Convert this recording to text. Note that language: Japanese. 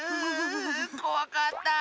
こわかった！